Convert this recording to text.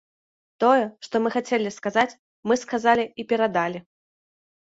Тое, што мы хацелі сказаць, мы сказалі і перадалі.